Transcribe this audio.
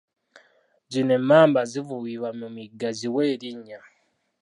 Zino emmamba zivubibwa mu migga ziwe erinnya.